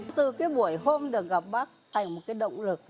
từ cái buổi hôm được gặp bác thành một cái động lực